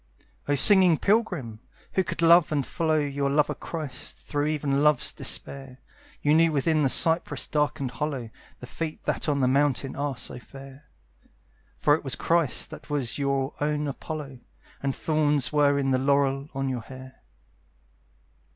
O singing pilgrim! who could love and follow Your lover Christ, through even love's despair, You knew within the cypress darkened hollow The feet that on the mountain are so fair. For it was Christ that was your own Apollo, And thorns were in the laurel on your hair.